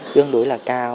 đương đối là cao